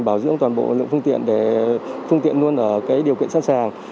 bảo dưỡng toàn bộ lượng phương tiện để phương tiện luôn ở điều kiện sẵn sàng